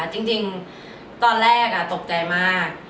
จริงจริงตอนแรกอะตกใจมาก